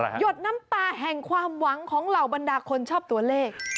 หยดน้ำตาแห่งความหวังของเหล่าบรรดาคนชอบตัวเลข